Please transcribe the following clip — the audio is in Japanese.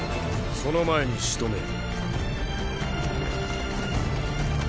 その前にしとめる。